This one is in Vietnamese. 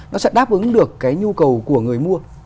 nó sẽ đáp ứng được cái nhu cầu của người mua